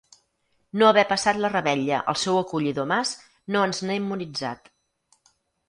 No haver passat la revetlla al seu acollidor mas no ens n'ha immunitzat.